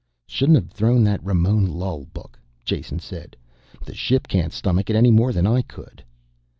"Shouldn't have thrown the Ramon Lull book," Jason said. "The ship can't stomach it any more than I could."